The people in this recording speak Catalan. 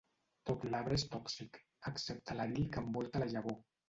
Tot l'arbre és tòxic, excepte l'aril que envolta la llavor.